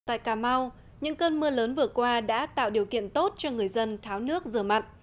tại cà mau những cơn mưa lớn vừa qua đã tạo điều kiện tốt cho người dân tháo nước rửa mặn